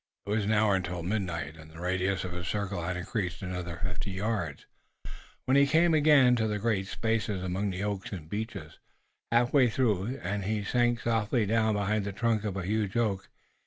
It was an hour until midnight, and the radius of his circle had increased another fifty yards, when he came again to the great spaces among the oaks and beeches. Halfway through and he sank softly down behind the trunk of a huge oak.